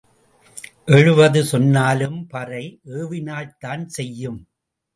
எழுபது சொன்னாலும் பறை ஏவினால்தான் செய்யும்.